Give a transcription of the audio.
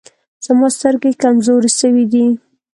زما سترګي کمزوري سوي دی.